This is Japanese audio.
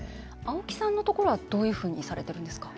青木さんのところはどういうふうにされてるんですか。